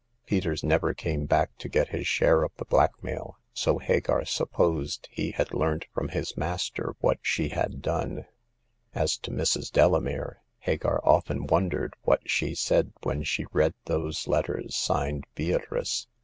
Peters never came back to get his share of the black mail, so Hagar supposed he had learnt frora hi& 2So Hagar of the Pawn Shop. master what she had done. As to Mrs. Dela mere, Hagar often wondered what she said when she read those letters signed " Beatrice.''